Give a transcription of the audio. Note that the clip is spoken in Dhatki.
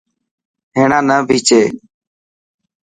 هيڻا نه پڇي.